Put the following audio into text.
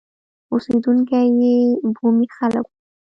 اوسېدونکي یې بومي خلک وو.